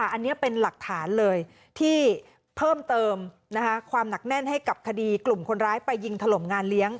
อันนี้เป็นหลักฐานเลยที่เพิ่มเติมความหนักแน่นให้กับคดีกลุ่มคนร้ายไปยิงถล่มงานเลี้ยง